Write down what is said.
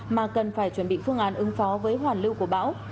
mà cần phải chuẩn bị phương án ứng phó với hoàn lưu của bão